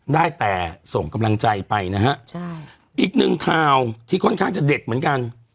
ได้แต่ส่งกำลังใจไปนะฮะใช่อีกหนึ่งข่าวที่ค่อนข้างจะเด็ดเหมือนกัน